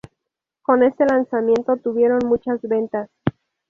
Con este lanzamiento tuvieron muchas ventas.